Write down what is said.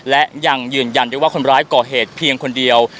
และยังยืนยันได้ว่าคนร้ายก่อเหตุเพียงคนเดียว